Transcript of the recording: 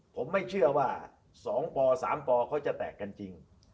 ผมไม่เชื่อว่า๒ป๓ปเขาจะแตกกันจริง